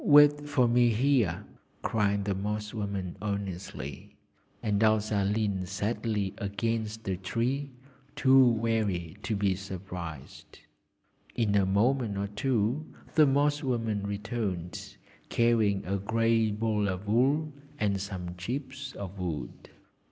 'Wait for me here!' cried the Moss woman earnestly, and Elsa leaned sadly against a tree, too weary to be surprised. In a moment or two the Moss woman returned, carrying a grey ball of wool and some chips of wood.